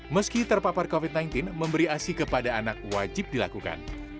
meski terpapar covid sembilan belas memberi asi kepada anak wajib dilakukan